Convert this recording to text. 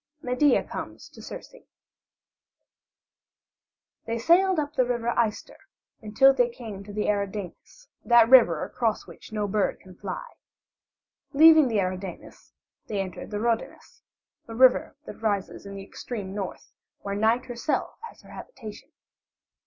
MEDEA COMES TO CIRCE They sailed up the River Ister until they came to the Eridanus, that river across which no bird can fly. Leaving the Eridanus they entered the Rhodanus, a river that rises in the extreme north, where Night herself has her habitation.